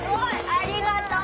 ありがとう！